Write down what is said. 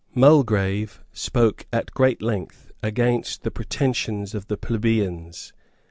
Mulgrave spoke at great length against the pretensions of the plebeians.